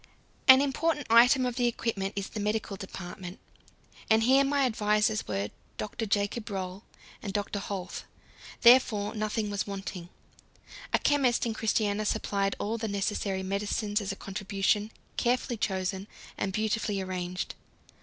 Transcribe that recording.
An important item of the equipment is the medical department, and here my advisers were Dr. Jacob Roll and Dr. Holth; therefore nothing was wanting. A chemist in Christiania supplied all the necessary medicines as a contribution, carefully chosen, and beautifully arranged.